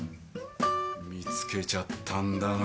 見つけちゃったんだな。